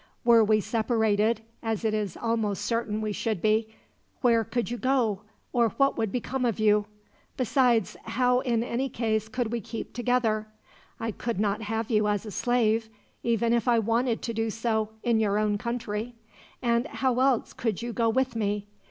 Were we separated, as it is almost certain we should be, where could you go, or what would become of you? Besides, how in any case could we keep together? I could not have you as a slave, even if I wanted to do so, in your own country; and how else could you go with me?